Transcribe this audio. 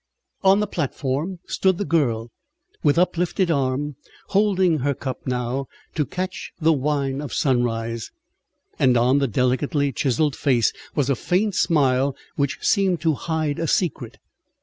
On the platform stood the girl with uplifted arm, holding her cup, now, to catch the wine of sunrise; and on the delicately chiselled face was a faint smile which seemed to hide a secret.